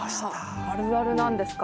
あらあるあるなんですか？